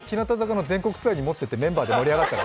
これ、日向坂の全国ツアーに持っていってみんなで盛り上がったら？